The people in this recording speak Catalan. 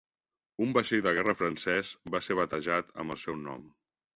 Un vaixell de guerra francès va ser batejat amb el seu nom.